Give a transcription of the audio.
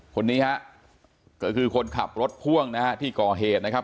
คนนี้ฮะก็คือคนขับรถพ่วงนะฮะที่ก่อเหตุนะครับ